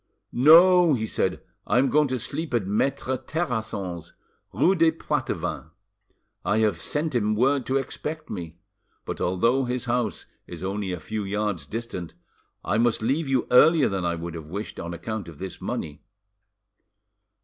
"No;" he said, "I am going to sleep at Maitre Terrasson's, rue des Poitevins; I have sent him word to expect me. But although his house is only a few yards distant, I must leave you earlier than I could have wished, on account of this money."